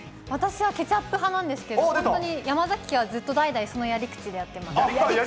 私はケチャップ派なんですけど、本当に山崎家はずっと大体そやり口で？